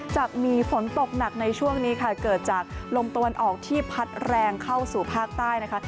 จะมีฝนตกหนักในช่วงนี้ค่ะเกิดจากลมตะวันออกที่พัดแรงเข้าสู่ภาคใต้นะคะ